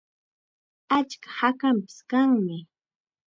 Achka hakanpis kanmi.